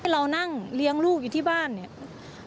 เรานั่งเลี้ยงลูกอยู่ที่บ้านเนี่ย